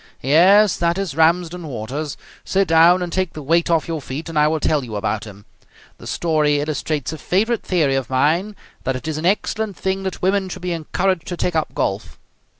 Yes, that is Ramsden Waters. Sit down and take the weight off your feet, and I will tell you about him. The story illustrates a favourite theory of mine, that it is an excellent thing that women should be encouraged to take up golf.